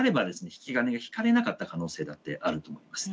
引き金が引かれなかった可能性だってあると思います。